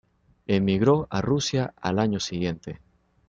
Emigró a Rusia al año siguiente.